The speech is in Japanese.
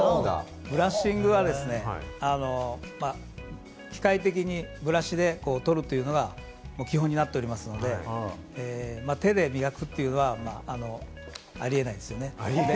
ブラッシングはですね、機械的にブラシで取るというのは基本になっておりますので、手で磨くというのはありえないですよね。